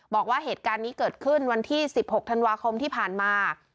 บอกว่าเหตุการณ์นี้เกิดขึ้นวันที่๑๖ธันวาคมที่ผ่านมา